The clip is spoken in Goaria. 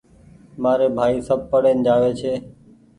مآري ڀآئي سب پڙين جآوي ڇي